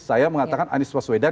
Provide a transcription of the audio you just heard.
saya mengatakan anies paswedan